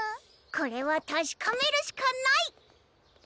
これはたしかめるしかない！